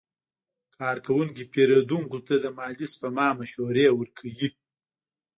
کارکوونکي پیرودونکو ته د مالي سپما مشورې ورکوي.